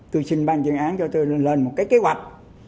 tôi xin ban chuyên án cho tôi lên một kế hoạch